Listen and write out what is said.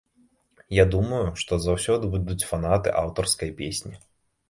Я думаю, што заўсёды будуць фанаты аўтарскай песні.